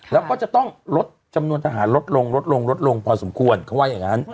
แล้วก็จะต้องลดจำนวนทหารลดลงลดลงลดลงพอสมควรเขาว่าอย่างนั้น